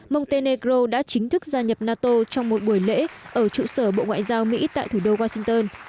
montenegro đã chính thức gia nhập nato trong một buổi lễ ở trụ sở bộ ngoại giao mỹ tại thủ đô washington